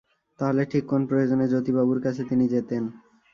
তাহলে ঠিক কোন প্রয়োজনে জ্যোতিবাবুর কাছে তিনি যেতেন?